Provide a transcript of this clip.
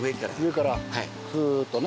上からすっとね。